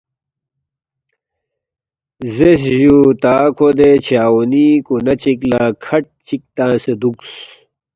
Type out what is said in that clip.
“ زیرس جُو تا کھو دے چھاؤنی کُونہ چِک لہ کھٹ چِک تنگسے دُوکس